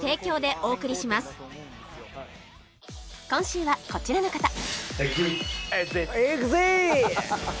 今週はこちらの方